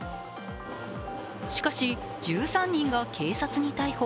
しかし、１３人が警察に逮捕。